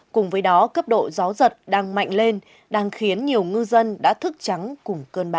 cùng với đó cấp độ gió giật đang mạnh lên đang khiến nhiều ngư dân đã thức trắng cùng cơn bão